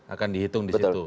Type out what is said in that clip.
akan dihitung di situ